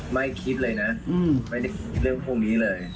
ไม่คิดเลยนะไม่ได้เรื่องพวกนี้เลย